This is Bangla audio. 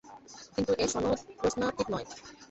কিন্তু এর সনদ প্রশ্নাতীত নয়।